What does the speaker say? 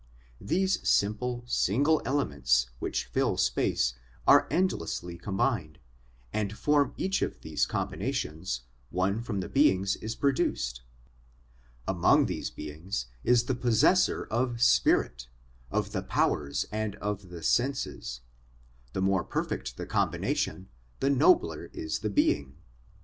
These simple, single elements which fill space are endlessly combined, and from each of these combinations one of the beings is produced. Among these beings is the possessor of spirit, 1 of the powers and of the senses. The more perfect the combination, the nobler is the being.